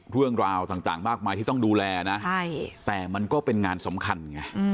เรื่องราวต่างมากมายที่ต้องดูแลนะแต่มันก็เป็นงานสำคัญไง